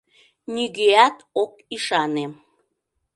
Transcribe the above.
Нигӧат ок ӱшане.